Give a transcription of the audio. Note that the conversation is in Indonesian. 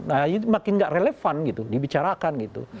nah itu makin nggak relevan gitu dibicarakan gitu